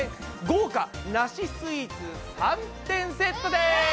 豪華なしスイーツ３点セットです！